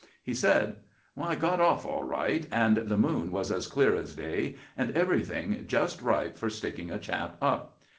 He said: "I got off all right, and the moon was as clear as day, and everything just ripe for sticking a chap up.